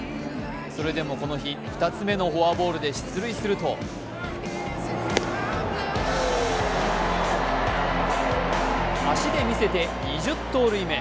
それでもこの日、２つ目のフォアボールで出塁すると足で見せて２０盗塁目。